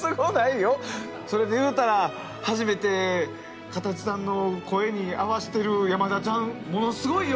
それで言うたら初めてカタチさんの声に合わしてる山田ちゃんものすごいよ！